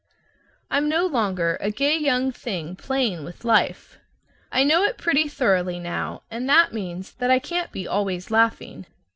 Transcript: I'm no longer a gay young thing playing with life. I know it pretty thoroughly now, and that means that I can't be always laughing.